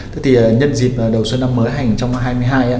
thế thì nhân dịp đầu xuân năm mới hành trong năm hai nghìn hai mươi hai